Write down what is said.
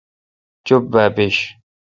چپ با بیش۔